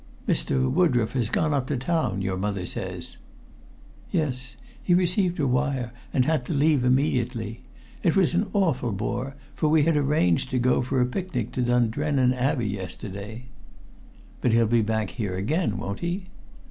"Mr. Woodroffe has gone up to town, your mother says." "Yes. He received a wire, and had to leave immediately. It was an awful bore, for we had arranged to go for a picnic to Dundrennan Abbey yesterday." "But he'll be back here again, won't he?"